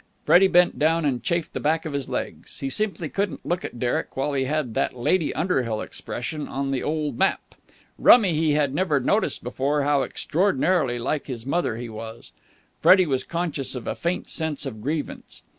Freddie bent down and chafed the back of his legs. He simply couldn't look at Derek while he had that Lady Underhill expression on the old map. Rummy he had never noticed before how extraordinarily like his mother he was. Freddie was conscious of a faint sense of grievance.